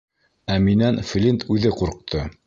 Ә минән Флинт үҙе ҡурҡты.